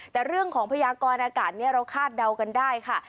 แต่เรื่องของพยากรอากาศนี้เราคาดเดากันได้ค่ะ